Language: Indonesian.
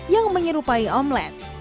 yang menyerupai omelette